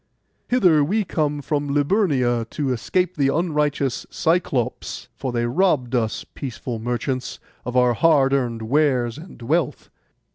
Hither we came from Liburnia to escape the unrighteous Cyclopes; for they robbed us, peaceful merchants, of our hard earned wares and wealth.